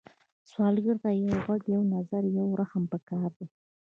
سوالګر ته یو غږ، یو نظر، یو رحم پکار دی